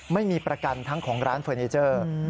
ไม่มีประกันทั้งของร้านเฟอร์นิเจอร์